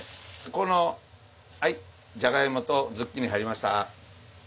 このじゃがいもとズッキーニ入りました。